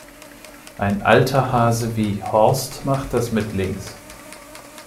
Ein alter Hase wie Horst macht das mit links.